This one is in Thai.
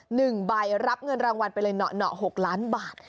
หนึ่งใบรับเงินรางวัลไปเลยเหนาะหกล้านบาท